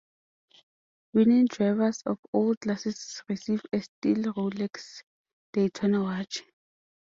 Winning drivers of all classes receive a steel Rolex Daytona watch.